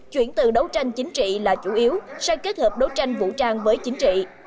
chuyển từ đấu tranh chính trị là chủ yếu sang kết hợp đấu tranh vũ trang với chính trị